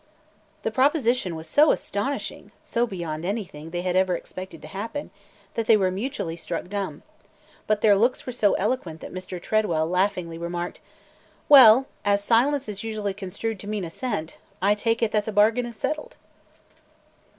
The proposition was so astonishing, so beyond anything they had ever expected to happen, that they were mutually struck dumb. But their looks were so eloquent that Mr. Tredwell laughingly remarked, "Well, as silence is usually construed to mean assent, I take it that the bargain is settled!"